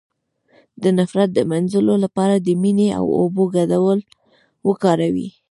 د نفرت د مینځلو لپاره د مینې او اوبو ګډول وکاروئ